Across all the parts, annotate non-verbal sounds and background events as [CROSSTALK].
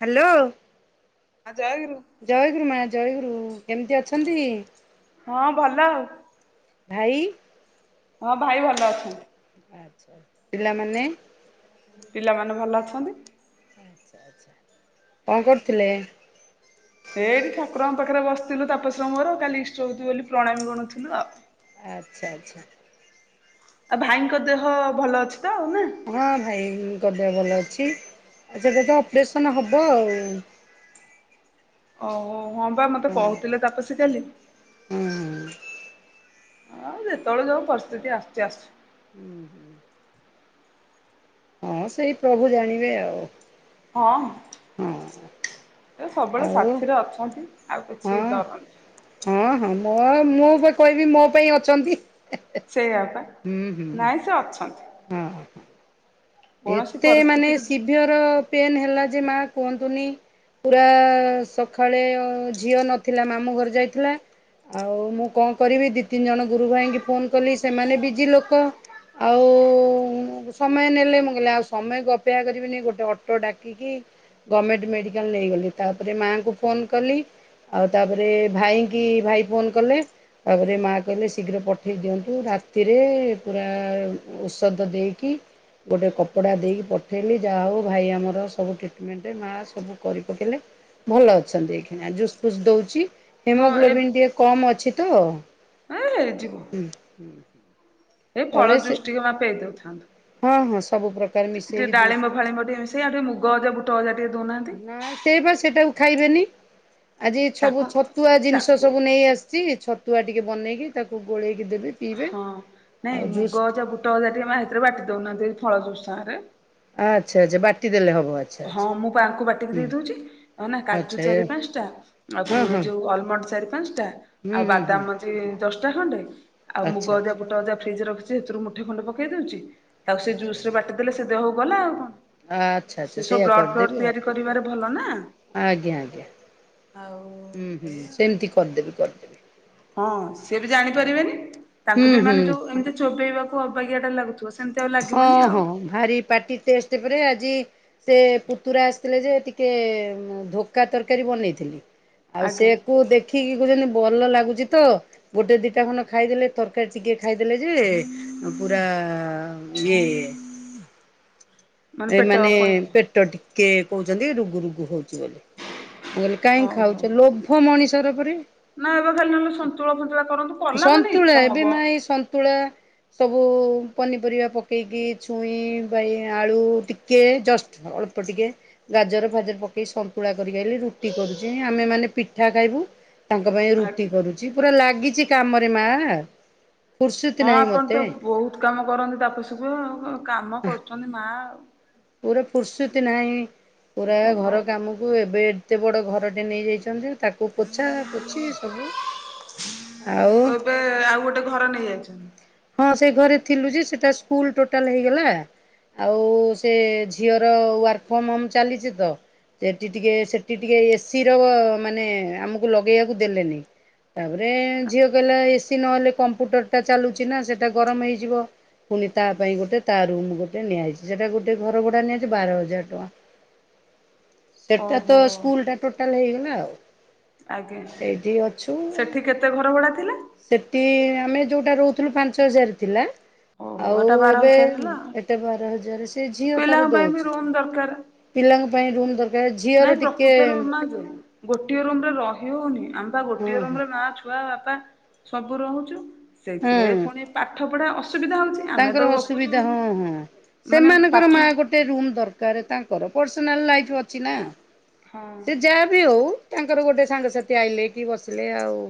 Hello. ହଁ ଜୟଗୁରୁ। ଜୟଗୁରୁ ମା ଜୟଗୁରୁ କେମିତି ଅଛନ୍ତି? ହଁ ଭଲ ଆଉ। ଭାଇ ହଁ ଭାଇ ଭଲ ଅଛନ୍ତି। ଆଛା ପିଲାମାନେ। ପିଲାମାନେ ଭଲ ଅଛନ୍ତି। କଣ କରୁଥିଲେ? ହେଇଠି ଠାକୁରଙ୍କ ପାଖରେ ବସିଥିଲୁ ତାପଶ ର ମୋର କାଲି ଇଷ୍ଟ ହେଉଛି ବୋଲି ପ୍ରଣାମୀ ଗଣୁଥିଲୁ ଆଉ। ଆଚ୍ଛା ଆଚ୍ଛା। ଆଉ ଭାଇଙ୍କ ଦେହ ଭଲ ଅଛି ତ ଆଉ ନା। ହଁ ଭାଇଙ୍କ ଦେହ ଭଲ ଅଛି ଆଛା ଏବେ ଅପରେସନ୍ ହେବ ଆଉ। ଓହୋ ହଁ ବା ମତେ ହଁ କହୁଥିଲେ ତାପସୀ କାଲି। ହୁଁ। ହଁ ଯେତେବେଳେ ଯୋଉ ପରିସ୍ଥିତି ଆସୁଛି ଆସୁ। ହୁଁ ହଁ ସେଇ ପ୍ରଭୁ ଜାଣିବେ ଆଉ ହଁ। ହଁ। ଏ ସବୁବେଳେ ଆଉ ସାଥିରେ ଅଛନ୍ତି ଆଉ ହଁ କିଛି ଡରନାଇ। ହଁ ହଁ ମୋ ମୁଁ କହିଲି ମୋ ପାଇଁ ଅଛନ୍ତି। ସେଇଆପା। ହୁଁ ହୁଁଁ। ସେ ଅଛନ୍ତି। ହଁ। କୌଣସି ଏତେ ମାନେ ପରିସ୍ଥିତିକୁ ସିଭିଅର ପେନ ହେଲା ଯେ ମା କୁହନ୍ତୁନି। ପୁରା ସକାଳେ ଝିଅ ନଥିଲା ମାମୁଁ ଘର ଯାଇଥିଲା। ଆଉ ମୁଁ କଣ କରିବି ଦି ତିନି ଜଣ ଗୁରୁ ଭାଇଙ୍କି ଫୋନ କଲି ସେମାନେ ବିଜି ଲୋକ। ଆଉ ସମୟ ନେଲେ ମୋ କହିଲେ ଆଉ ସମୟକୁ ଅପେକ୍ଷା କରିବିନି ଗୋଟେ ଅଟୋ ଡାକିକି ଗମେଣ୍ଟ ମେଡିକାଲ ନେଇଗଲେ ତାପରେ ମାଆଙ୍କୁ ଫୋନ କଲି। ଆଉ ତାପରେ ଭାଇ କି ଭାଇ ଫୋନ କଲେ। ତାପରେ ମା କହିଲେ ଶୀଘ୍ର ପଠେଇ ଦିଅନ୍ତୁ, ରାତିରେ ପୁରା ଔଷଧ ଦେଇକି। ଗୋଟେ କପ କପଡ଼ା ଦେଇକି ପଠେଇଲି ଯାହା ହଉ ଭାଇ ଆମର ସବୁ ଟ୍ରିଟମେଣ୍ଟ ମାଆ ସବୁ କରି ପକେଇଲେ। ଭଲ ଅଛନ୍ତି ଏଇ ଖିନା ଜୁସ୍ ଫୁସ୍ ଦଉଛି। ହଁ ଏ ହିମୋଗ୍ଲୋବିନ୍ ଟିକେ କମ୍ ଅଛି ତ। ଏ ହେଇଯିବ। ଉଁ ହୁଁ। ଏଇ ଫଳ ତାପରେ ସେ ଜୁସ ଟିକେ ମା ପେଇ ଦଉଥାନ୍ତୁ। ହଁ ହଁ ସବୁ ପ୍ରକାର ଟିକେ ମିଶେଇକି ଜୁସ୍ ଡାଳିମ୍ବ କରୁଛି। ଫାଳିମ୍ବ ଟିକେ ମିଶେଇକି ଆଉ ଟିକେ ମୁଗ ଅଜା ବୁଟ ଅଜା ଟିକେ ଦଉନାହାନ୍ତି। ସେଇପା ସେଟାକୁ ଖାଇବେନି ଆଜି ସବୁ ତାକୁ ଛତୁଆ ଜିନିଷ ତାକୁ ସବୁ ନେଇ ଆସ ନେଇଆସିଛି ଛତୁଆ ଟିକେ ବନେଇକି ତାକୁ ଗୋଳେଇକି ଦେବି। ପିଇବେ ହଁ ନାଇଁ ଆଉ ଜୁସ୍ ମୁଗ ଅଜା ବୁଟ ଅଜା ଟିକେ ମା ସେଥିରେ ବାଟି ଦଉନାହାନ୍ତି ଫଳଜୁସ୍ ସାଥିରେ। ଆଚଛା ଆଚଛା ବାଟି ଦେଲେ ହବ ଆ ହଁ ପା ମୁଁ ଆକୁ ବାଟିକି ଦେଇଦଉଛି ନା କାଜୁ ଆଚ୍ଛା ଏ ଚାରି ପାଞ୍ଚଟା ଆଉ ହଁ ପୁଣି ଏ ହଁ ଯୋଉ ଅଲମଣ୍ଡ ଚାରି ପାଞ୍ଚଟା। ହୁଁ ଆଉ ହୁଁ ହୁଁ ବାଦାମ ମଞ୍ଜି ଦଶଟା ଖଣ୍ଡେ ଆଉ ଆଚ୍ଛା ମୁଗ ଅଜା ଆଚ୍ଛା ବୁଟ ଅଜା ଫ୍ରିଜରେ ରଖିଛି। ସେଥିରୁ ମୁଠେ ଖଣ୍ଡେ ପକେଇ ଦଉଛି ଆଉ ସେ ଆଚ୍ଛା ଆଚ୍ଛା। ଜୁସରେ ବାଟି ଦେଲେ ସେ ଦେହକୁ ଗଲା ଆଉ କଣ? ଆଚ୍ଛା ସେ ଆଚ୍ଛା ସବୁ ସେଇୟା ବ୍ଲଡ଼ ଫ୍ଲଡ଼ କରିଦେବି ଆଉ ତିଆରି କରିବାରେ ଭଲ ନା ଆଜ୍ଞା ଆଜ୍ଞା। ଆଉ ହୁଁ ହୁଁ ଏଇଆ ଆଉ। ସେମିତି କରିଦେବି କରିଦେବି। ହଁ ସିଏ ବି ଆଉ ଜାଣିପାରିବେନି ତାଙ୍କୁ ହୁଁ ବି ହୁଁ ମାନେ ଯୋଉ ଏମିତି ଚୋବେଇବାକୁ ଅବାଗିଆଟା ଲାଗୁଥିବ। ସେମିତି ଆଉ ହଁ ଲାଗିବନି ଆଉ ହଁ ଭାରି ପାଟି ଟେଷ୍ଟ ପରେ ଆଜି ସେ ପୁତୁରା ଆସିଥିଲେ ଯେ ଟିକେ ଧୋକକା ତରକାରୀ ବନେଇଥିଲି। ଆଉ ସେ ଆଜ୍ଞା କୁ ଦେଖ ଦେଖିକି କହୁଛନ୍ତି ଭଲ ଲାଗୁଛି ତ ଗୋଟେ ଦିଟା ଖଣ୍ଡ ଖାଇଦେଲେ ତରକାରୀ ଟିକେ ଖାଇଦେଲେ ଯେ ପୁରା ଇଏ ହେଇ ମାନେ ପେଟ ଏମାନେ ପୁଣି ପେଟ୍ ପେଟ ଟିକେ କହୁଛନ୍ତି ରୁଗୁ ରୁଗୁ ହଉଛି ବୋଲି ମୁଁ କହିଲି କାହିଁକି ଓହୋ ଖାଉଛ ଲୋ। ଭ ମଣିଷର ପରେ ନା ଏବେ ଖାଲି ନହେଲେ ସନ୍ତୁଳା ଫନ୍ତୁଳା କରନ୍ତୁ କଲା ମାନେ ସନ୍ତୁଳା ଇଚ୍ଛା ଏବେ ହବ ମା ଏ ସନ୍ତୁଳା। ସବୁ ପନିପରିବା ପକେଇକି ଛୁଇଁ, ବାଇଆ ଆଳୁ ଟିକେ ଜଷ୍ଟ ଅଳ୍ପ ଟିକେ। ଗାଜର ଫାଜର ପକେଇ ସନ୍ତୁଳା କରି କି ଆଇଲି ରୁଟି କରୁଛି ଆମେ ମାନେ ପିଠା ଖାଇବୁ। ତାଙ୍କ ପାଇଁ ରୁଟି କରୁଛି ପୁରା ଲାଗିଛି କାମରେ ମା ଫୁର୍ସିତି ନାହିଁ ମତେ। ସବୁ କାମ କରନ୍ତି ତାପ ସବୁ ଆଉ କାମ କରୁଛନ୍ତି ମା ଆଉ ପୁରା ଫୁର୍ସୁତି ନାହିଁ ପୁରା ଘର କାମକୁ ଏବେ ଏତେ ବଡ଼ ଘରଟେ ନେଇଯାଇଛନ୍ତି ତାକୁ କୁ ପୋଛା ପୋଛି ସବୁ ଆଉ ଏବେ ଆଉ ଗୋଟେ ଘର ନେୟା [INAUDIBLE] ହଁ ସେ ଘରେ ଥିଲୁ ଯେ ସେଟା ସ୍କୁଲ ଟୋଟାଲ ହେଇଗଲା। ଆଉ ସେ ଝିଅର ୱାର୍କ ଫ୍ରମ ହୋମ୍ ଚାଲିଛି ତ ସେଠି ଟିକେ ସେଠି ଟିକେ ଏସିର ମାନେ ଆମକୁ ଲଗେଇୟାକୁ ଦେଲେନି। ତାପରେ ଝିଅ କହିଲା ଏସିି ନହେଲେ କମ୍ପୁଟରଟା ଚାଲୁ। ଚିନା ସେଟା ଗରମ ହେଇଯିବ ପୁଣି ତା ପାଇଁ ଗୋଟେ ତା ରୁମ୍ ଗୋଟେ ଗୋଟେ ନିଆହେଇଛି ସେଟା ଗୋଟେ ଘର ଭଡା ନିଆଯାଇଛି ବାର ହଜାର ଟଙ୍କା। ସେଟା ଓହୋ ତ ସ୍କୁଲଟା ଟୋଟାଲ ହେଇନି ନା ଆଉ। ଆଜ୍ଞା ଏଇଠି ଅଛୁ। ସେଠି କେତେ ଘର ଭଡ଼ା ଥିଲା। ସେଠି ଆମେ ଯୋଉଟା ରହୁଥିଲୁ ପାଞ୍ଚ ହଜାର ଥିଲା। ଓହୋ ଆଉ ଏଟା ବାର ଏବେ ହଜାର ହେଲା ଏଟା ବାର ହଜାର ସେ ଝିଅ ପିଲାଙ୍କ ତାର ପାଇଁ ବି ଦଉଛି। ରୁମ ଦରକାର ପିଲାଙ୍କ ପାଇଁ ରୁମ୍ ଦରକାର ନାଇଁ ଝିଅର ଟିକେ ପ୍ରକୃତରେ ମା ଯେ ଗୋଟିଏ ରୁମ ରେ ରହି ହଉନି ଆମ୍ ପା ହଁ ଗୋଟିଏ ହଁ ରୁମରେ ମା ଛୁଆ ବାପା ସବୁ ରହୁଛୁ ସେଇଥିରେ ହୁଁ ପୁଣି ପାଠ ପଢା ଅସୁବିଧା ହଉଛି। ଆମେ ତାଙ୍କର ଯେତେବେଳେ ଗପୁଛୁ ଅସୁବିଧା ହଁ ହଁ ମାନେ ସେମାନଙ୍କର ପାଠ ମାଆ ଗୋ ଟେ ରୁମ୍ ଦରକାର୍ ତାଙ୍କର ପର୍ଶନାଲ୍ ଲାଇଫ୍ ଅଛି ନା ହଁ ସେ ଯା ବି ହଉ ତାଙ୍କର ଗୋଟେ ସାଙ୍ଗସାଥି ଆଇଲେ କି ବସିଲେ ଆଉ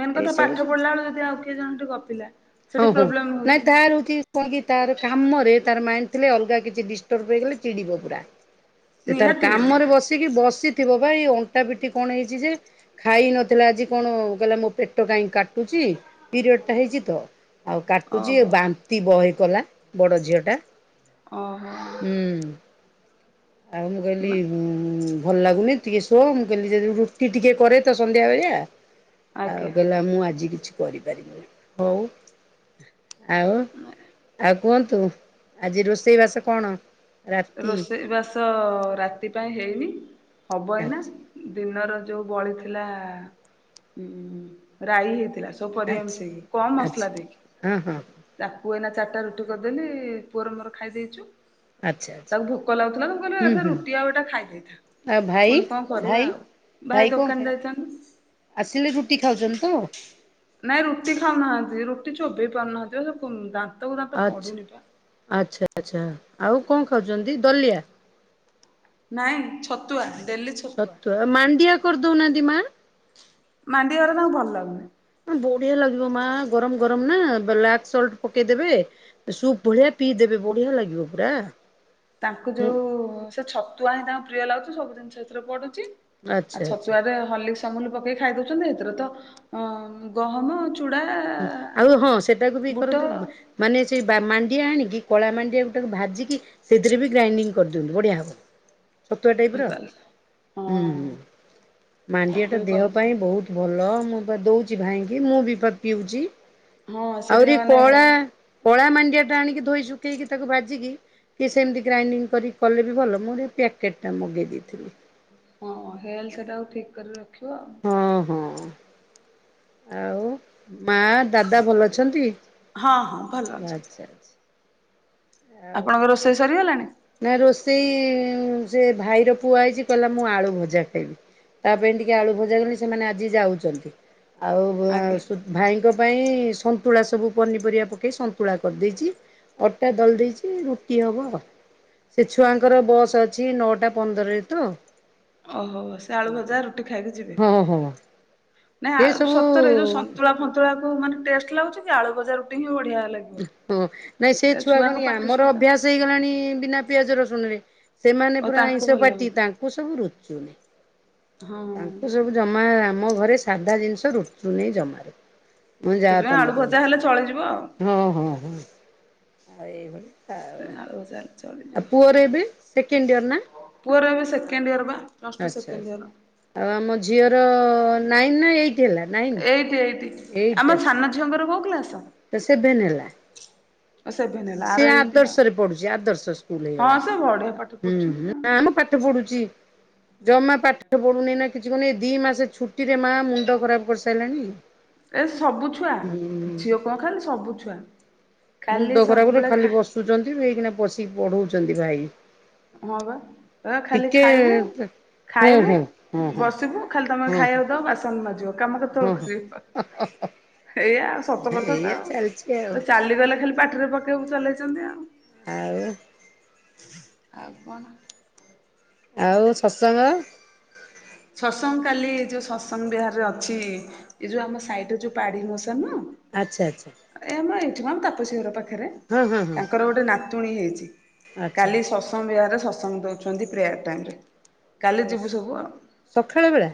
ମେନ ଏଇ କଥା ସବୁ ପାଠ ଯେ ପଢିଲା ବେଳେ ସିଏ ଆଉ କିଏ ଜଣେ ଟି ଗପିଲା ହଁ ସେଠି ହଁ ପ୍ରୋବ୍ଲେମ ହଉଛି। [UNINTELLIGIBLE] ତାର କାମରେ ତାର ମାଇଣ୍ଡ ଥିଲେ ଅଲଗା କିଛି ଡିଷ୍ଟର୍ବ ହେଇଗଲେ ଚିଡ଼ିବ ପୁରା। [INAUDIBLE] ସେ ତାର କାମରେ ବସିକି ବସିଥିବ ବା ଏଇ ଅଣ୍ଟା ପିଟି କଣ ହେଇଛି ଯେ ଖାଇ ନଥିଲା ଆଜି କଣ କହିଲା ମୋ ପେଟ କାଇଁ କାଟୁଚି। ପିରିୟଡ଼ ଟା ହେଇଛି ତ ଆଉ କା ଟୁଚି ଓହୋ ବାନ୍ତି ବହେ କଲା ବଡ ଝିଅ ଟା। ଅ ହ। ହୁଁ ଆଉ ମୁଁ କହିଲି ନା ଉଁ ଭଲ ଲାଗୁନି ଟିକେ ସୋ ମୁଁ କହିଲି ଯଦି ରୁଟି ଟିକେ କରେ ତ ସନ୍ଧ୍ୟା ବେଳିଆ। ଆଉ କହିଲା ଆଜ୍ଞା ମୁଁ ଆଜି କିଛି କରି ପାରିବିନି ହଉ। ଆଉ ଆଉ କୁହନ୍ତୁ ଆଜି ରୋଷେଇ ବାସ କଣ। ରାତି ରୋଷେଇ ବାସ ରାତି ପାଇଁ ହେଇନି ହବ ଏଇନା। ଆଚ୍ଛା ଦିନର ଯୋଉ ବଳିଥିଲା ଉଁ ରାଇ ହେଇଥିଲା। ସବୁ ପରିବା ଆଚ୍ଛା ମିଶେଇକି କମ୍ ଆଚ୍ଛା ମସଲା ଦେଇକି। ହଁ ହଁ ତାକୁୁ ଏଇନା ଚାରିଟା ରୁଟି କରିଦେଲି ପୁଅର ମୋର ଖାଇ ଦେଇଛୁ। ଆଚ୍ଛା ଆଚ୍ଛା ତାକୁ ଭୋକ ଲାଗୁଥିଲା ତ ମୁ କହିଲି ହୁଁ ସେ ହୁଁ ରୁଟି ଆଉ ଏଟା ଖାଇ ଦେଇଥା। ଆଉ ଭାଇ ପୁଣି କଣ କରିବା ଭାଇ ଆଉ ଭାଇ କଣ ଦୋକାନ ଖାଇ ଯାଇଛନ୍ତି। ଆସିଲେ ରୁଟି ଖାଉଛନ୍ତି ତ? ନାଇଁ ରୁଟି ଖାଉନାହାନ୍ତି ରୁଟି ଚୋବେଇ ପାରୁନାହାନ୍ତି ସେ ପୋ ଦାନ୍ତ ଗୁଡ଼ା ତ ଆଚ୍ଛା ପଡୁନି ପା। ଆଚ୍ଛା ଆଚ୍ଛା ଆଉ କଣ ଖାଉଛନ୍ତି ଦଲିଆ। ନାଇଁ ଛତୁଆ ଡେଲି ଛତୁଆ। ମାଣ୍ଡିଆ କର ଦଉନାହାନ୍ତି ମା। ମାଣ୍ଡିଆ ଗୁରା ତାଙ୍କୁ ଭଲ ଲାଗୁନି। ବଢିଆ ଲାଗିବ ମା ଗରମ ଗରମ ନା ବ୍ଲାକ୍ ସଲ୍ଟ ପକେଇ ଦେବେ। ସୁପ୍ ଭଳିଆ ପିଇ ଦେବେ ବଢିଆ ଲାଗିବ ପୁରା। ତାଙ୍କୁ ଯୋଉ ସେ ଛତୁଆ ହିଁ ତାଙ୍କୁ ପ୍ରିୟ ଲାଗୁଛି ସବୁ ଜିନିଷ ସେଥିରେ ପଡୁଛି। ଆଉ ଆଚ୍ଛା ଆଚ୍ଛା ଛତୁଆରେ ହଲିସ୍କ ଅମୁଲ ପକେଇକି ଖାଇ ଦଉଚନ୍ତି ସେଥିରେ ତ ଗହମ ଚୁଡା ଆଉ ହଁ ସେଟାକୁ ବି ବୁଟ ଇକରନ୍ତୁ ମାନେ ସେଇ ବା ମାଣ୍ଡିଆ ଆଣିକି କଳା ମାଣ୍ଡିଆ ଗୁଟାକୁ ଭାଜିକି ସେଥିରେ ବି ଗ୍ରାଇଡିଙ୍ଗି କରିଦିଅନ୍ତୁ ବଢିଆ ହବ। ଛତୁଆ ଟାଇପ୍ ର ଚାଲ ହଁ ହୁଁ ହୁଁ ମାଣ୍ଡିଆ ତାକୁ ଟା ବି କହ ଦେହ ପାଇଁ ବହୁତ୍ ଭଲ ମୁଁ ପା ଦଉଚି ଭାଇଙ୍କି ମୁଁ ବି ପା ପିଉଚି। ହଁ ସେ ଟିକେ ଆହୁରି ମାନେ କଳା କଳା ମାଣ୍ଡିଆ ଟା ଆଣିକି ଧୋଇ ଶୁଖେଇକି ତାକୁ ଭାଜିକି କି ସେମ୍ତି ଗ୍ରାଇଣ୍ଡିଙ୍ଗ କରିକି କଲେ ବି ଭଲ ମୁଁ ଟିକେ ପ୍ୟାକେଟ୍ ଟା ମଗେଇ ଦେଇଥିଲି। ହଁ ହେଲ୍ଥେ ଟାକୁ ଠିକ୍ କରି ରଖି ହଁ ହଁ ଆଉ ମା ଦାଦା ଭଲ ଅଛନ୍ତି ହଁ ହଁ ଭଲ ଅଛନ୍ତି। ଆଛା ଆଛା। ଆପଣଙ୍କ ରୋଷେଇ ସରିଗଲାଣି? ନା ରୋଷେଇ ସେ ଭାଇର ପୁଅ ଆଇଚି କହିଲା ମୁଁ ଆଳୁ ଭଜା ଖାଇବି। ତା ପାଇଁ ଟିକେ ଆଳୁ ଭଜା କଲେ ସେମାନେ ଆଜି ଯାଉଚନ୍ତି ଆଉ ଆଜ୍ଞା ଭାଇଙ୍କ ପାଇଁ ସନ୍ତୁଳା ସବୁ ପନିପରିବା ପକେଇ ସନ୍ତୁଳା କରିଦେଇଚି। ଅଟା ଦଳି ଦେଇଚି ରୁଟି ହେବ। ସେ ଛୁଆଙ୍କର ବସ୍ ଅଛି ନଅଟା ପନ୍ଦରରେ ତ ଓହୋ ସେ ଆଳୁ ଭଜା ରୁଟି ଖାଇକି ଯିବେ। ହଁ ହଁ। ସେ ନାଇଁ ସବୁ ସତରେ ଯୋଉ ସନ୍ତୁଳା ଫନ୍ତୁଳା ମାନେ ଟେଷ୍ଟ ଲାଗୁଚି କି ଆଳୁ ଭଜା ରୁଟି ହିଁ ବଢିଆ ଲାଗେ। ହଁ ନାଇଁ ସେ ଛୁଆ କଣ କି ଆମର ସ୍ୱାଦ ଅଭ୍ୟାସ ହେଇଗଲାଣି ବିନା ପିଆଜ ରସୁଣରେ ସେମାନେ ଓ ପୁରା ତାଙ୍କୁ ଆଇଁଷ ଭଲ ଲାଗୁନି। ପାଟି ତାଙ୍କୁ ସବୁ ରୁଚୁନି। ହଁ ତାଙ୍କୁ ସବୁ ଜମା ଆମ ଘରେ ସାଧା ଜିନିଷ ରୁଚୁ ନେଇ ଜମାରୁ। ମୁଁ ଯାହା ସେଥିପାଇଁ ଆଳୁ ତମର ଭଜା ହେଲେ ଚଳିଯିବ ଆଉ। ହଁ ହଁ ହଁ ଆଳୁ ଭଜା ହେଲେ ଆଉ ଚଳିଯିବ। ପୁଅରେ ଏବେ ସେକେଣ୍ଡ ଇଅର ପୁଅର ଏବେ ସେକେଣ୍ଡ ଇୟର ବା ପ୍ଲସ ଟୁ ଆଚ୍ଛା ସେକଣ୍ଡ ଆଚ୍ଛା ଇୟର। ଆଉ ଆମ ଝିଅର ନାଇନ ନା ଏଇଟ ହେଲା ନାଇନ। ଏଇଠି ଏଇଠି ଆମ ସାନ ଝିଅଙ୍କର କୋଉ କ୍ଲାସ? ତ ସେଭେନ ହେଲା? ସେଭେନ ହେଲା ଆର ସେ ଏଇଟି ଆଉ। ଆଦର୍ଶ ରେ ପଢୁଚି। ଆଦର୍ଶ ସ୍କୁଲ ହଁ ହେଇଗଲା। ସେ ବଢିଆ ପାଠ ହୁଁ ପଢୁଛନ୍ତି ଆଉ। ନା ମ ଉଠ ପଡୁଚି। ଜମା ପାଠ ପଢୁନି ନା କିଛି କରୁନି। ଏ ଦି ମାସ ଛୁଟିରେ ମା ମୁଣ୍ଡ ଖରାପ କରିସାରିଲାଣି। ଏ ସବୁ ଛୁଆ ହୁଁ ଝିଅ କଣ ଖାଲି ସବୁ ଛୁଆ। ଖାଲି ମୁଣ୍ଡ ଖରାପରେ ସବୁବେଳେ ଖାଲି ଖା ବସୁଚନ୍ତି। ଏଇକିଣା ବସିକି ପଢଉଚନ୍ତି ଭାଇ। ହଁ ବା ଏ ଖାଲି ଟିକେ ଖାଇବୁ ହୁଁ ଖାଇବୁ ହୁଁ ହୁଁ ହୁଁ ବସିବୁ ଖାଲି ତମେ ହୁଁ ଖାଇବାକୁ ଦବ ବାସନ ମାଜିବ। କାମ ହୁଁ କେତେବେଳେ ହୁଁ କରିବ? ଏଇଆାଉ ସତ କଥା। ଏଇଆ ଆଉ ଚାଲିଛି ଆଉ ତ ଚାଲିଗଲେ ଖାଲି ପାଟିରେ ପକେଇବାକୁ ଚଲେଇଚନ୍ତି ଆଉ। ଆଉ? ଆଉ କଣ? ଆଉ ସତ୍ସଙ୍ଗ? ସତ୍ସଙ୍ଗ କାଲି ଯୋଉ ସତ୍ସଙ୍ଗ ବିହାରରେ ଅଛି ଏ ଯୋଉ ଆମ ସାଇଟରେ ଯୋଉ ପାଡି ମଶା ନୁହ? ଆଚ୍ଛା ଆଚ୍ଛା। ଏ ଆମ ଏଇଠି ମ ତାପସି ଘର ପାଖରେ। ହଁ ହଁ ହଁ ତାଙ୍କର ଗୋଟେ ନାତୁଣୀ ହେଇଚି। ଆଚ୍ଛା କାଲି ଶଶ ଆଚ୍ଛା ତସ୍ଙ୍ଗ ବିହାରରେ ସତ୍ସଙ୍ଗ ଦଉଚନ୍ତି ପ୍ରେୟାର ଟାଇମରେ କାଲି ଯିବୁ ସବୁ। ସଖାଳ ବେଳା?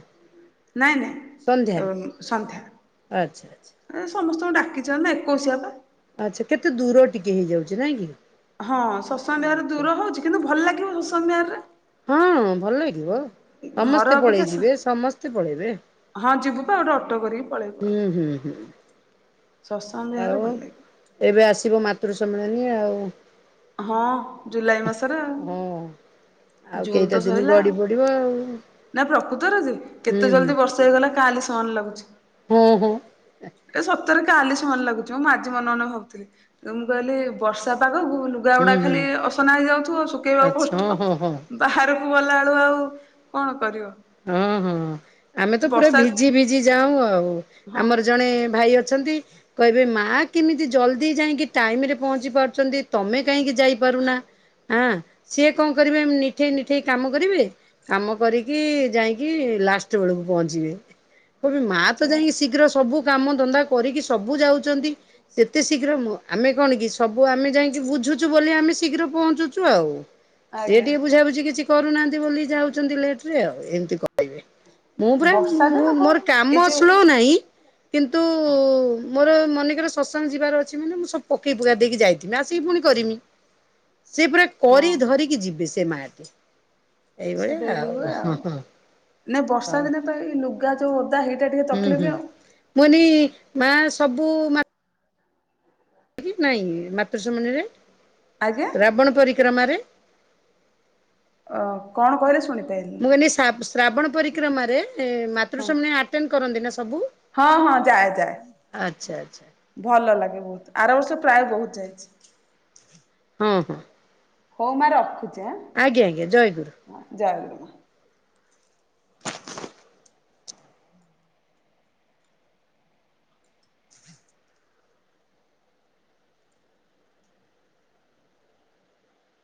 ନାଇଁ ନାଇଁ ସନ୍ଧ୍ୟାରେ ଅ ସନ୍ଧ୍ୟା। ଆଚ୍ଛା ଆଚ୍ଛା ଏ ସମସ୍ତଙ୍କୁ ଡାକିଛନ୍ତି ନା ଏକୋଇଶିଆ ତ। ଆଚ୍ଛା କେତେ ଦୂର ଟିକେ ହେଇଯାଉଚି ନାଇଁ କି? ହଁ ଶତ୍ସଙ୍ଗ ଦେହରେ ଆଚ୍ଛା ଦୂର ହଉଚି, କିନ୍ତୁ ଭଲ ଲାଗିବ ଶତ୍ସଙ୍ଗ ବିହାର ରେ। ହଁ ଭଲ ହେଇଥିବ, ଘର ସମସ୍ତେ ପଳେଇ ଅପେକ୍ଷା ଯିବେ ସ ସମସ୍ତେ ପଳେଇବେ। ହଁ ଯିବୁ ପା ଗୋଟେ ଅଟୋ କରିକି ପଳେଇବୁ ଆଉ। ହୁଁ ହୁଁ ହୁଁ ଶତ୍ସଙ୍ଗ ବିହାର ରେ ଆଉ ଭଲ ଲାଗିବ। ଏବେ ଆସିବ ମାତୃ ସମ୍ମିଳନୀ ଆଉ। ହଁ ଜୁଲାଇ ମାସରେ ଆଉ। ହଁ ଆଉ ଜୁନ କେଇଟା ତ ଦିନ ସଇଲା ଗଡି ଆଉ। ପଡିବ ଆଉ ନା ପ୍ରକୃତରେ ଯେ ହୁଁ କେତେ ଜଲଦି ବର୍ଷ ତ ହେଇଗଲା କାଲି ସନ୍ ଲାଗୁଚି। ଓ ହୋ। ଏ ସତରେ କାଲି ସମାନ ଲାଗୁଚି ମ। ମୁଁ ଆଜି ମନେ ମନେ ଭାବୁଥିଲି। ମୁଁ କହିଲି ବର୍ଷା ପାଗ ବୁଲ। ଲୁଗା ହୁଁ ଗୁଡା ହୁଁ ଖାଲି ଅସନା ହେଇଯାଉଥିବ, ଶୁଖେଇବାକୁ ଆଚ୍ଛା କଷ୍ଟ। ହଁ ହଁ ବାହାରକୁ ଗଲାବେଳୁ ଆଉ କଣ କରିବ? ହଁ ହଁ। ଆମେ ତ ପୁରା ବର୍ଷା ଭିଜି ଭିଜି ଯାଉଁ ଆଉ ହଁ ବା ଆମର ଜଣେ ଭାଇ ଅଛନ୍ତି। କହିବେ ମା କେମିତି ଜଲଦି ଯାଇକି ଟାଇମରେ ପହଞ୍ଚି ପାରୁଛନ୍ତି ତମେ କାହିଁକି ଯାଇପାରୁନା। ଆଁ ସିଏ କଣ କରିବେ ନିଠେଇ ନିଠେଇ କାମ କରିବେ କାମ କରିକି ଯାଇକି ଲାଷ୍ଟ ବେଳକୁ ପହଞ୍ଚିବେ କହିବେ ମା ତ ସେଇଆ ଯାଇକି ଶୀଘ୍ର ସବୁ କାମ ଧନ୍ଦା କରିକି ସବୁ ଯାଉଛନ୍ତି। ସେତେ ଶୀଘ୍ର ମୁଁ ଆମେ କଣ କି ସବୁ ଆମେ ଯାଇକି ବୁଝୁଚୁ ବୋଲି ଆମେ ଶୀଘ୍ର ପହଞ୍ଚୁଚୁ ଆଉ। ସିଏ ଆଜ୍ଞା ଟିକେ ବୁଝାବୁଝି କିଛି କରୁନାହାନ୍ତି ବୋଲି ଯାଉଛନ୍ତି ଲେଟରେ ଆଉ ଏମିତି କହିବେ। ମୁଁ ପୁରା ବର୍ଷା ମୁଁ ଦିନକୁ ମୋର କାମ ଏ ଯୋଉ ସ୍ଲୋ ନାହିଁ। କିନ୍ତୁ ମୋର ମନେକର ସତ୍ସଙ୍ଗ ଯିବାର ଅଛି ମାନେ ମୁଁ ସବୁ ପକେଇ ପକା ଦେଇକି ଯାଇ ଆସିକି ପୁଣି କରିମି ସେ ପୁରା ହଁ କରି ଧରିକି ଯିବେ ସେ ମାଟି। ସେ ଏଇଭଳିଆ ଡେରି ହୁଏ ହଁ ଆଉ। ହଁ ନାଇଁ ହଁ ବର୍ଷା ଦିନେ ତ ଏଇ ଲୁଗା ଯୋଉ ଓଦା ହେଇଟା ଟିକେ ତକଲିଫ ଆଉ। ମୁଁ ନି ମା ସବୁ ମା ନାଇଁ ମାତୃଶମିନିରେ ଆଜ୍ଞା ରାବଣ ପରିକ୍ରମାରେ। ଅ କଣ କହିଲେ ଶୁଣିପାଇଲିନି। କଇଲି ଶା ଶ୍ରାବଣ ପରିକ୍ରମାରେ ହଁ ମାତୃଶମିଳି ଆଟେଣ୍ଡ କରନ୍ତି ନା ସବୁ। ହଁ ହଁ ଯାଏ ଯାଏ ଆଚ୍ଛା ଆଚ୍ଛା। ଭଲ ଲାଗେ ବହୁତ ଆର ବର୍ଷ ପ୍ରାୟ ବହୁତ ଯାଇଚି। ହଁ ହଁ। ହଉ ମା ରଖୁଚି ଆଁ ଆଜ୍ଞା ଆଜ୍ଞା ଜୟ ଗୁରୁ। [UNINTELLIGIBLE]